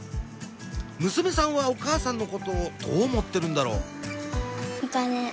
娘さんはお母さんのことをどう思ってるんだろう？